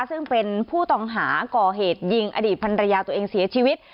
ซึ่งเป็นผู้ต้องหาก่อเหตุยิงอดีตภรรยาตัวเองเสียชีวิต